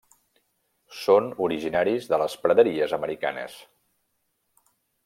Són originaris de les praderies americanes.